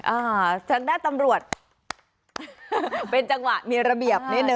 อ่าทางด้านตำรวจเป็นจังหวะมีระเบียบนิดนึ